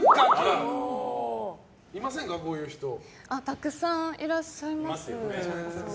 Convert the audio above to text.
たくさんいらっしゃいます。